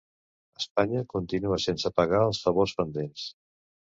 Espanya continua sense pagar els favors pendents